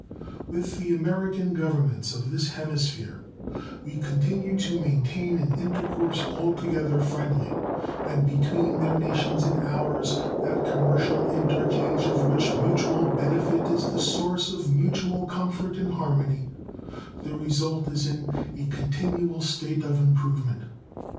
With the American Governments of this hemisphere we continue to maintain an intercourse altogether friendly, and between their nations and ours that commercial interchange of which mutual benefit is the source of mutual comfort and harmony the result is in a continual state of improvement.